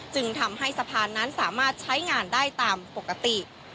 จึงทำให้สะพานนั้นสามารถใช้งานได้ตามปกติ